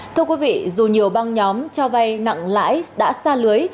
thưa quý vị dù nhiều băng nhóm cho vay nặng lãi đã xa lưới